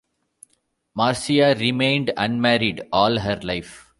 Marcia remained unmarried all her life.